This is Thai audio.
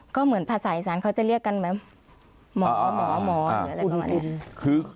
ก็เหมือนภาษาอีสานเขาจะเรียกกันแบบหมอหมอหรืออะไรประมาณนี้